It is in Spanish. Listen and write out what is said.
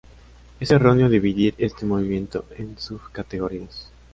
Es erróneo dividir este movimiento en sub-categorías.